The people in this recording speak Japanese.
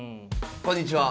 こんにちは。